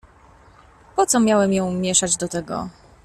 "Po co miałem ją mieszać do tego?"